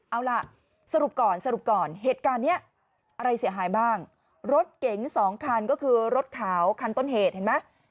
เอาล่ะสรุปก่อนสรุปก่อนเหตุการณ์เนี้ยอะไรเสียหายบ้างรถเก๋งสองคันก็คือรถขาวคันต้นเหตุเห็นไหม